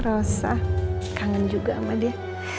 rasa kangen juga sama dia